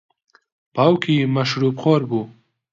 باوکی مەشروبخۆر بوو.